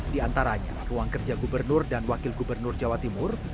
di antaranya ruang kerja gubernur dan wakil gubernur jawa timur